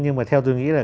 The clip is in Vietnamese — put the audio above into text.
nhưng mà theo tôi nghĩ là